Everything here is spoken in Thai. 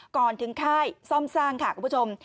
ก่อนถึงค่ายซ่อมสร้างค่ะคุณผู้ชม